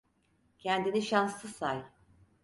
Kendini şanslı say.